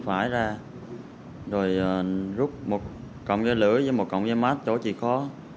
rút phải ra rồi rút một cọng dây lửa với một cọng dây mát chỗ chỉ khó